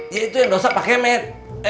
ya itu yang dosa pak kemet